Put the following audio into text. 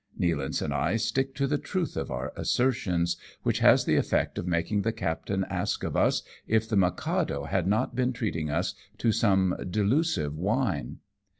Nealance and I stick to the truth of our assertions, which has the effect of making the captain ask of us if the Mikado had not been treating us to some delusive wine.